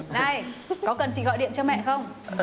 này có cần chị gọi điện cho mẹ không